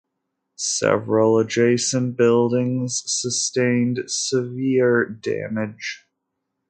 Several adjacent buildings sustained severe damage.